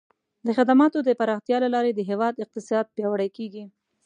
د خدماتو د پراختیا له لارې د هیواد اقتصاد پیاوړی کیږي.